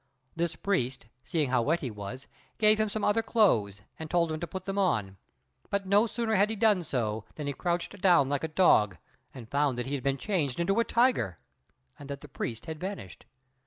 This priest, seeing how wet he was, gave him some other clothes, and told him to put them on; but no sooner had he done so than he crouched down like a dog, and found that he had been changed into a tiger, and that the priest had vanished.